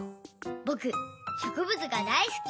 ぼくしょくぶつが大すき。